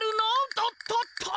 とっとっと。